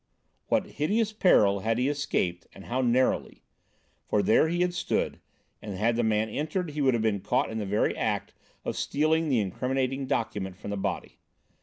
What hideous peril had he escaped and how narrowly! For there he had stood; and had the man entered, he would have been caught in the very act of stealing the incriminating document from the body.